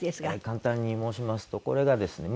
簡単に申しますとこれがですね